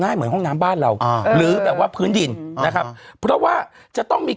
เหมือนห้องน้ำบ้านเราอ่าหรือแบบว่าพื้นดินนะครับเพราะว่าจะต้องมี